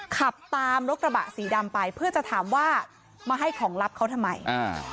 ขับตามรถกระบะสีดำไปเพื่อจะถามว่ามาให้ของลับเขาทำไมอ่า